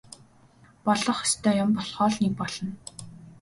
Болох ёстой юм болохоо л нэг болно.